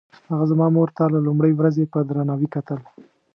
هغه زما مور ته له لومړۍ ورځې په درناوي کتل.